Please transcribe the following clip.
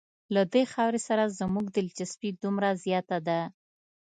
له دې خاورې سره زموږ دلچسپي دومره زیاته ده.